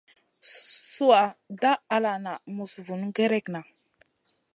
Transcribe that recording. Sùha dah ala na muss vun gerekna.